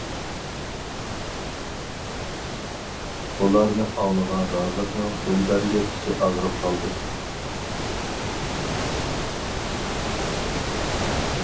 بۇلارنى ئاڭلىغان رازىقنىڭ دىلبەرگە ئىچى ئاغرىپ قالدى.